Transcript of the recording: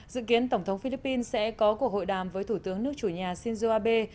dự kiến tổng thống philippines sẽ có cuộc hội đàm với thủ tướng nước chủ nhà shinzo abe